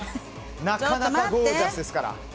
なかなかゴージャスですから。